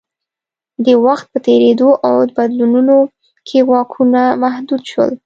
د وخت په تېرېدو او بدلونونو کې واکونه محدود شول